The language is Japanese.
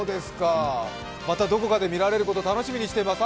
またどこかで見られることを楽しみにしています。